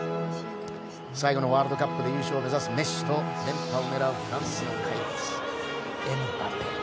最後のワールドカップで優勝を目指すメッシと連覇を狙うフランスの怪物エムバペ。